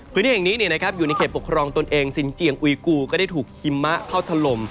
พักษ์พลองตันเองซินเจียงอุ๊ยกูก็ได้ถูกหิมะเข้าถล่ม